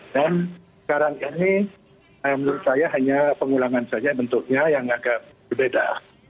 sekarang ini menurut saya hanya pengulangan saja bentuknya yang agak berbeda